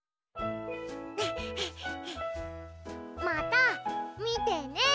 また見てね。